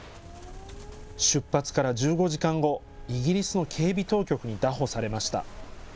出発から１５時間後、イギリスの警備当局に拿捕されました。